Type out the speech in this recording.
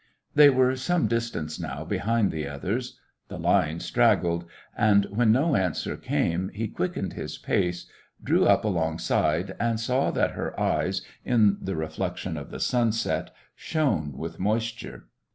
They were some distance now behind the others; the line straggled; and when no answer came he quickened his pace, drew up alongside and saw that her eyes, in the reflection of the sunset, shone with moisture.